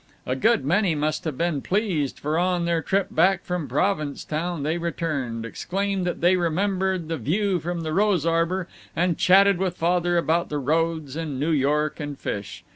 A good many must have been pleased, for on their trip back from Provincetown they returned, exclaimed that they remembered the view from the rose arbor, and chatted with Father about the roads and New York and fish.